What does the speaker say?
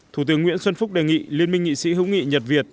thủ tướng nguyễn xuân phúc đề nghị liên minh nghị sĩ hữu nghị nhật việt